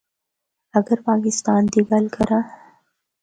اگر پاکستان دی گل کراں۔